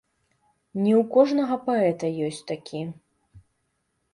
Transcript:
Не ў кожнага паэта ёсць такі.